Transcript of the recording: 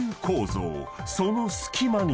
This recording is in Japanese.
［その隙間に］